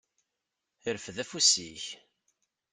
Rfed afus-ik.